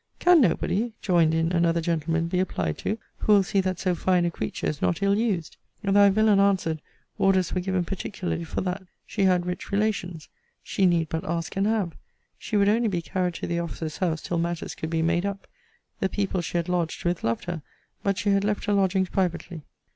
Can nobody, joined in another gentleman, be applied to, who will see that so fine a creature is not ill used? Thy villain answered, orders were given particularly for that. She had rich relations. She need but ask and have. She would only be carried to the officer's house till matters could be made up. The people she had lodged with loved her: but she had left her lodgings privately.